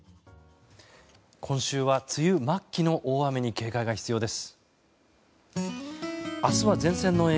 今週は梅雨末期の大雨に警戒が必要です。